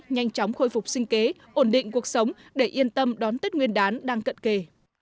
nhanh chóng khôi phục sinh kế ổn định cuộc sống để yên tâm đón tết nguyên đán đang cận kề